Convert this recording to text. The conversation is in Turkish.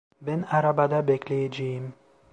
Ben arabada bekleyeceğim.